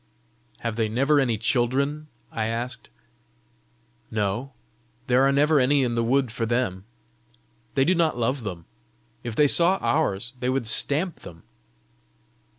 "Have they never any children?" I asked. "No; there are never any in the wood for them. They do not love them. If they saw ours, they would stamp them."